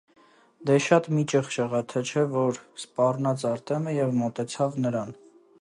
- Դե, շատ մի՛ ճղճղա, թե չէ, որ, - սպառնաց Արտեմը և մոտեցավ նրան: